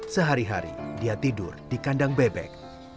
sehari hari dia tidur di kandang bebek